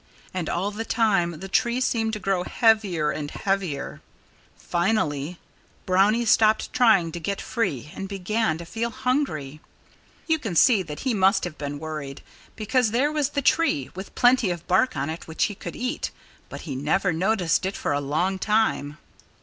And all the time the tree seemed to grow heavier and heavier. Finally, Brownie stopped trying to get free and began to feel hungry. You can see that he must have been worried, because there was the tree, with plenty of bark on it which he could eat. But he never noticed it for a long time.